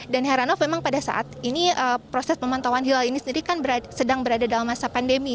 dan heran of memang pada saat ini proses pemantauan hilal ini sendiri kan sedang berada dalam masa pandemi